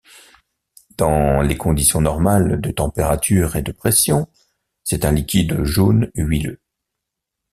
Dans les conditions normales de température et de pression, c'est un liquide jaune huileux.